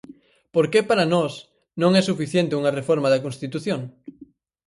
Por que para Nós non é suficiente unha reforma da Constitución?